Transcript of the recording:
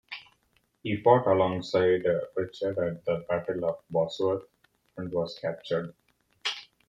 He fought alongside Richard at the Battle of Bosworth and was captured.